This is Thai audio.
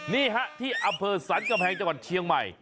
นี่ฮะที่อำเภอสรรกำแพงจังหวัดเชียงใหม่